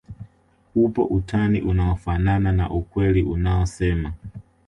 upo utani unaofanana na ukweli unaosema